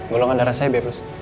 golongan darah saya b plus